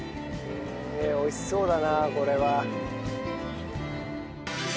美味しそうだなこれは。